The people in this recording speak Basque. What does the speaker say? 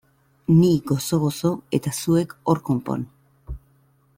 Ni gozo-gozo eta zuek hor konpon!